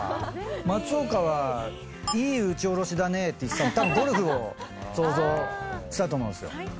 松岡は、いい打ち下ろしだねって言ってたの、たぶんゴルフを想像したと思うんですよ。